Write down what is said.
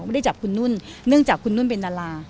ไม่ได้จับคุณนุ่นเนื่องจากคุณนุ่นเป็นดารา